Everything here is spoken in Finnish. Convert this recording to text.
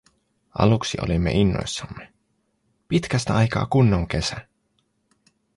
Aluksi olimme innoissamme: pitkästä aikaa kunnon kesä!